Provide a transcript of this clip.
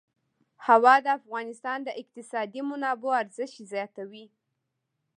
هوا د افغانستان د اقتصادي منابعو ارزښت زیاتوي.